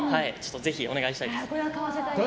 ぜひお願いしたいです。